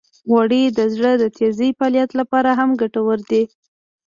غوړې د زړه د تېزې فعالیت لپاره هم ګټورې دي.